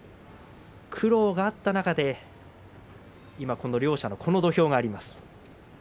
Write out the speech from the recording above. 苦労があった中で今この両者、この土俵があります。